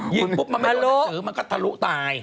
ปุ๊บมันไม่รู้หนังสือมันก็ทะลุตาย